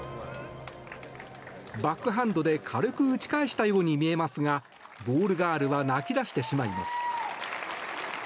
バックハンドで軽く打ち返したように見えますがボールガールは泣き出してしまいます。